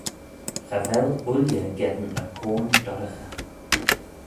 Cha vel ooilley geddyn y coan dorraghey.